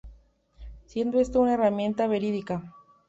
Siendo este una herramienta verídica.